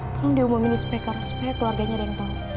tolong diumumin nih supaya keluarganya ada yang tau